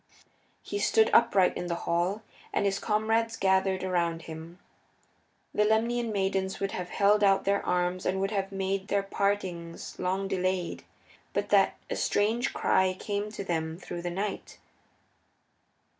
He stood upright in the hall, and his comrades gathered around him. The Lemnian maidens would have held out their arms and would have made their partings long delayed, but that a strange cry came to them through the night.